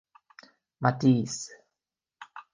Matese.